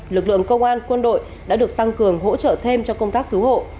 lực lượng công an quân đội đã được tăng cường hỗ trợ thêm cho công tác cứu hộ